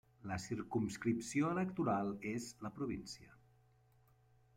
La circumscripció electoral és la província.